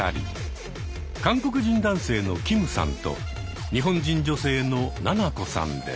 韓国人男性のキムさんと日本人女性のななこさんです。